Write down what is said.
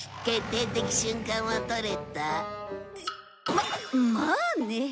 ままあね。